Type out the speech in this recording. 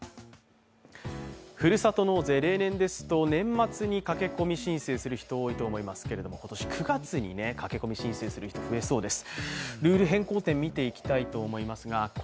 ふるさと納税、例年ですと年末に駆け込み申請する人が多いと思いますけど、今年９月に駆け込み申請する人、増えそうです。